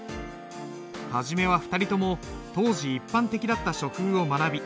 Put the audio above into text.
初めは２人とも当時一般的だった書風を学び